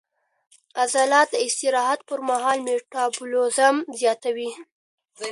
عضلات د استراحت پر مهال میټابولیزم زیاتوي.